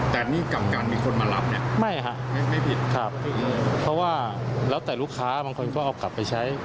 แต่นี่กับการมีคนมารับเนี่ยไม่ฮะไม่ผิดครับเพราะว่าแล้วแต่ลูกค้าบางคนก็เอากลับไปใช้